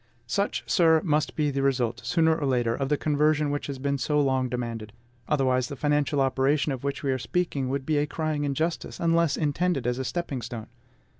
Such, sir, must be the result sooner or later of the conversion which has been so long demanded; otherwise, the financial operation of which we are speaking would be a crying injustice, unless intended as a stepping stone.